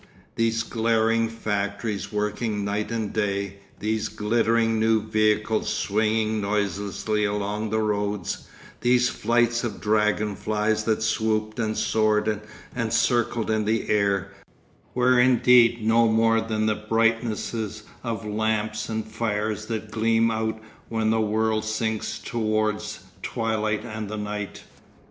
These glaring factories working night and day, these glittering new vehicles swinging noiselessly along the roads, these flights of dragon flies that swooped and soared and circled in the air, were indeed no more than the brightnesses of lamps and fires that gleam out when the world sinks towards twilight and the night.